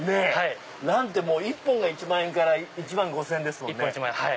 ランって１本が１万から１万５０００円ですもんね。